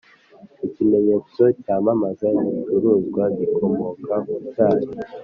Ikimenyetso cyamamaza igicuruzwa gikomoka ku cyayi